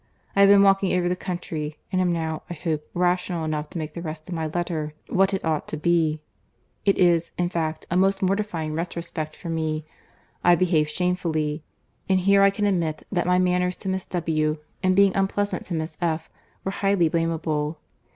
—I have been walking over the country, and am now, I hope, rational enough to make the rest of my letter what it ought to be.—It is, in fact, a most mortifying retrospect for me. I behaved shamefully. And here I can admit, that my manners to Miss W., in being unpleasant to Miss F., were highly blameable.